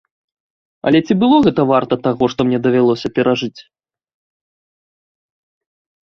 Але ці было гэта варта таго, што мне давялося перажыць?